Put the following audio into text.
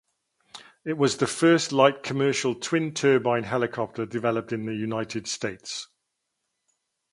It was the first light commercial twin-turbine helicopter developed in the United States.